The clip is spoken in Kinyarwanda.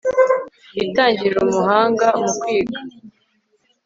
itangiriro umuhanga mu kwiga